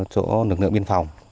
chỗ lực lượng biên phòng